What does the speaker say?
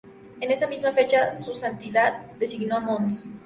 En esa misma fecha, Su Santidad designó a mons.